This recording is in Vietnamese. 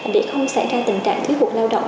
để không xảy ra tình trạng thuyết phục lao động